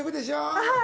はい。